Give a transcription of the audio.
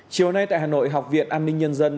chiều nay tại hà nội học viện an ninh nhân dân